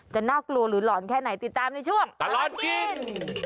น่ากลัวหรือหลอนแค่ไหนติดตามในช่วงตลอดกิน